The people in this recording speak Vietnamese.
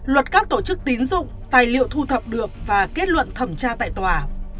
luật các tổ chức tín dụng tài liệu thu thập được và kết luận thẩm tra tại tòa